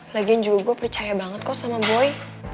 lagian juga gue percaya banget kok sama boy